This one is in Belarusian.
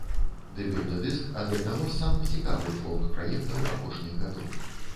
Дэбютны дыск ад аднаго з самых цікавых фолк-праектаў апошніх гадоў.